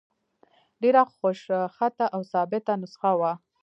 ډېره خوشخطه او ثابته نسخه وه.